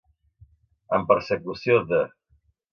En persecució de.